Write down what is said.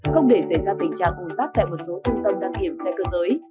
không để xảy ra tình trạng ủng tác tại một số trung tâm đăng kiểm xe cơ giới